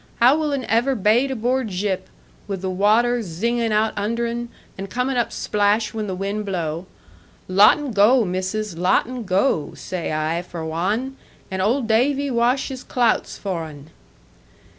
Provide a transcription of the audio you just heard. How wil un ever baide aboard zhip, wi' the watter zinging out under un, and comin' up splash when the wind blow. Latt un goo, missus, latt un goo, zay I for wan, and old Davy wash his clouts for un.'